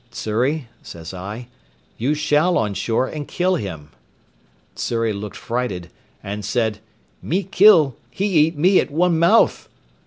"Xury," says I, "you shall on shore and kill him." Xury, looked frighted, and said, "Me kill! he eat me at one mouth!"